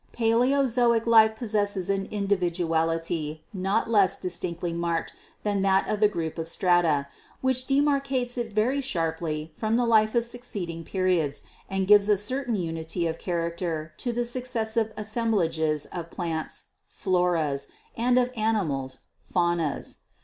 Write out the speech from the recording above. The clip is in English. "Paleozoic life possesses an individuality not less dis tinctly marked than that of the group of strata, which de marcates it very sharply from the life of succeeding peri ods and gives a certain unity of character to the successive assemblages of plants (floras) and of animals (faunas).